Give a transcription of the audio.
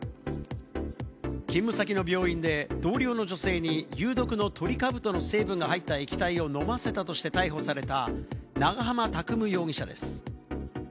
勤務先の病院で同僚の女性に有毒のトリカブトの成分が入った液体を飲ませたとして逮捕された、長浜拓夢容疑者です。